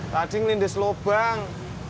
lalu lindis lubang